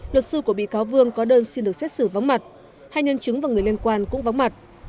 luật sư của bị cáo vương có đơn xin được xét xử vắng mặt hai nhân chứng và người liên quan cũng vắng mặt